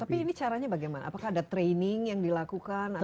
tapi ini caranya bagaimana apakah ada training yang dilakukan